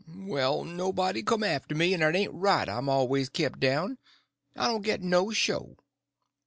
"Well, nobody come after me, and it ain't right I'm always kept down; I don't get no show."